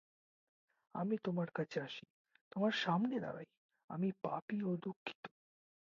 আমি তোমার কাছে আসি, তোমার সামনে দাঁড়াই, আমি পাপী ও দুঃখিত।